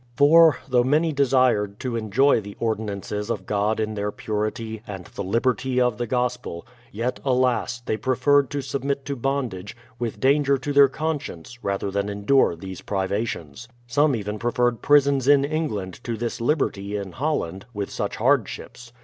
£or, though many desired to enjoy the ordinances of God 19 20 BRADFORD'S HISTORY OF in their purity, and the liberty of the gospel, yet, alas, they preferred to submit to bondage, with danger to their con science, rather than endure these privations. Some even preferred prisons in England to this Hberty in Holland, Mfith such hardships.